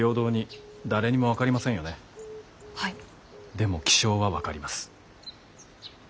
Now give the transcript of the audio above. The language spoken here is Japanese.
でも気象は分かります。